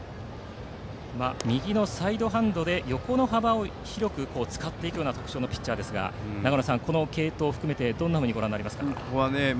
右のサイドハンドで横の幅を広く使っていくのが特徴のピッチャーですが長野さん、この継投を含めてどんなふうにご覧になりますか。